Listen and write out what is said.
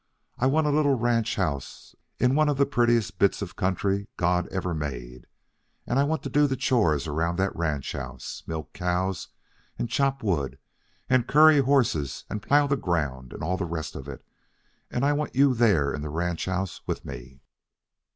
I want a little ranch house in one of the prettiest bits of country God ever made, and I want to do the chores around that ranch house milk cows, and chop wood, and curry horses, and plough the ground, and all the rest of it; and I want you there in the ranch house with me.